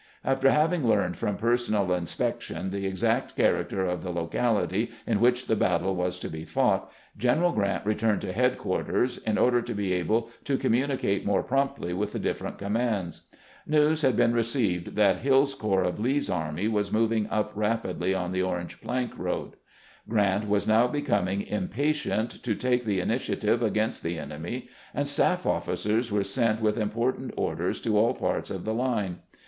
After having learned from personal inspection the exact character of the locality in which the battle was to be fought, General Grant returned to headquarters, in order to be able to communicate more promptly with the different commands. News had been received that Hill's corps of Lee's army was moving up rapidly on the Orange plank road. Grant was now becoming im patient to take the initiative against the enemy, and staff officers were sent with important orders to all parts of the Une.